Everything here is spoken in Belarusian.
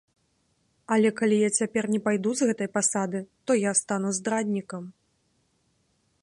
Але калі я цяпер не пайду з гэтай пасады, то я стану здраднікам.